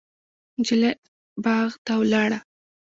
نجلۍ باغ ته ولاړه.